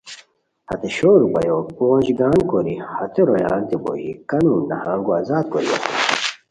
ہتے شور روپیو پونج گان کوری ہتے رویانتے بوژی کانو نہانگو آزاد کوری اسور